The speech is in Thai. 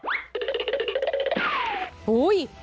โอ้โห